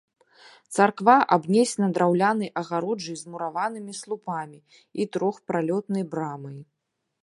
Царква абнесена драўлянай агароджай з мураванымі слупамі і трохпралётнай брамай.